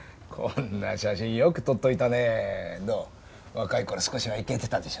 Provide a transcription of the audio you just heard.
若い頃少しはイケてたでしょ？